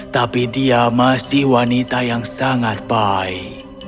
tapi dia masih wanita yang sangat baik